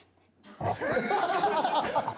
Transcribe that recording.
あっ！